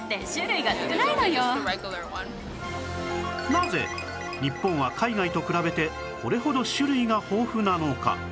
なぜ日本は海外と比べてこれほど種類が豊富なのか？